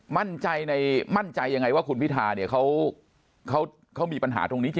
มั่นใจในมั่นใจยังไงว่าคุณพิธาเนี่ยเขามีปัญหาตรงนี้จริง